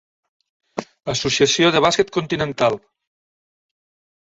Associació de Bàsquet Continental